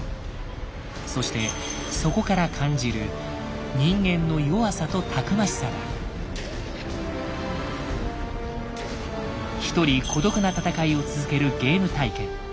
そしてそこから感じる一人孤独な戦いを続けるゲーム体験。